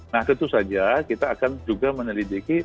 nah tentu saja kita akan juga meneliti